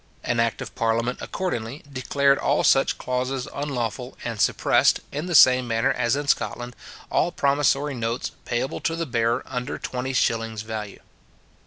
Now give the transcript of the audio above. An act of parliament, accordingly, declared all such clauses unlawful, and suppressed, in the same manner as in Scotland, all promissory notes, payable to the bearer, under 20s. value.